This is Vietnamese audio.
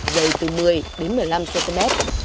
dày từ một mươi đến một mươi năm cm